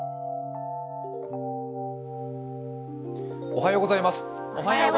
おはようございます。